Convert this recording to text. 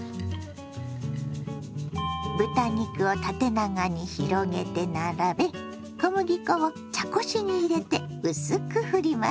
豚肉を縦長に広げて並べ小麦粉を茶こしに入れて薄くふります。